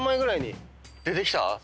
出てきた？